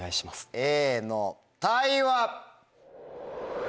Ａの「タイ」は。